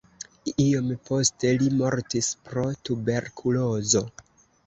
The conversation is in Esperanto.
Iom poste li mortis pro tuberkulozo.